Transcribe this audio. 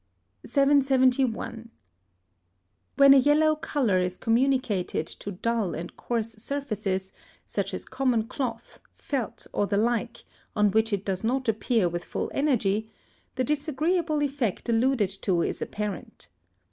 771. When a yellow colour is communicated to dull and coarse surfaces, such as common cloth, felt, or the like, on which it does not appear with full energy, the disagreeable effect alluded to is apparent.